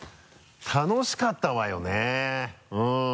楽しかったわよねうん。